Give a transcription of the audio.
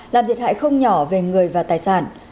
làm thiệt hại không nhỏ về người và tài sản